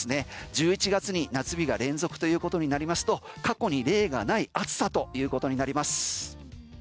１１月に夏日が連続ということになりますと過去に例がない暑さということになります。